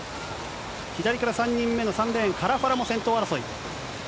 左から３人目の３レーン、カラファラも先頭争い。